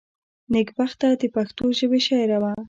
نېکبخته دپښتو ژبي شاعره وه.